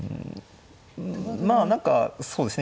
まあ何かそうですね